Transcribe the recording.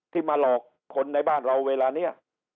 มาหลอกคนในบ้านเราเวลานี้